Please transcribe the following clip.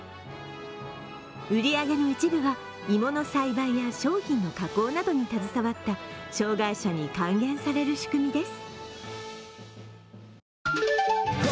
売り上げの一部は、芋の栽培や商品の加工に携わった障害者に還元される仕組みです。